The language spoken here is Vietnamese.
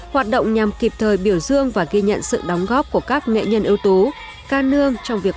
hoạt động nhằm kịp thời biểu dương và ghi nhận sự đóng góp của các nghệ nhân ưu tú ca nương trong việc